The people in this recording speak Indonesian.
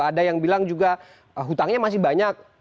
ada yang bilang juga hutangnya masih banyak